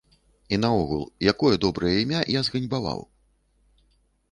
І наогул, якое добрае імя я зганьбаваў?